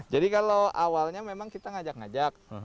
kalau awalnya memang kita ngajak ngajak